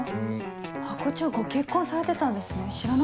ハコ長ご結婚されてたんですね知らなかった。